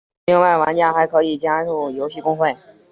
另外玩家还可以加入游戏公会。